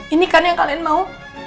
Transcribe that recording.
ini kan yang kalian mau